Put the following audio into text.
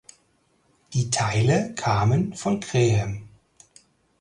Die Teile kamen von Graham.